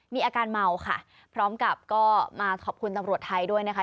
มีอาการเมาค่ะพร้อมกับก็มาขอบคุณตำรวจไทยด้วยนะคะ